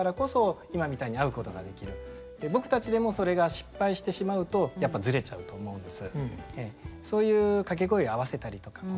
僕たちでもそれが失敗してしまうとやっぱりズレちゃうと思うんです。